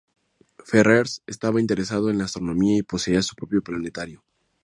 Ferrers estaba interesado en la astronomía y poseía su propio planetario.